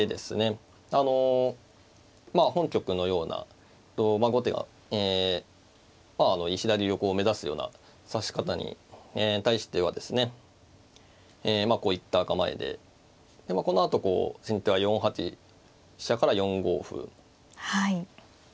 あのまあ本局のような後手が石田流をこう目指すような指し方に対してはですねまあこういった構えでこのあとこう先手は４八飛車から４五歩のようにですね